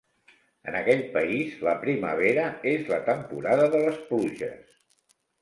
En aquell país, la primavera és la temporada de les pluges.